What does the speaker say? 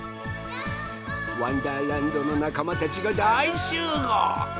「わんだーらんど」のなかまたちがだいしゅうごう！